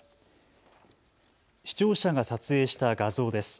視聴者が撮影した画像です。